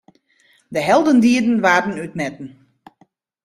De heldendieden waarden útmetten.